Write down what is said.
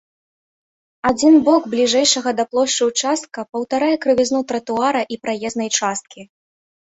Адзін бок бліжэйшага да плошчы ўчастка паўтарае крывізну тратуара і праезнай часткі.